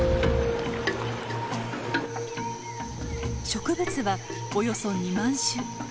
植物はおよそ２万種。